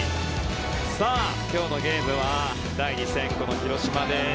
今日のゲームは第２戦、この広島で。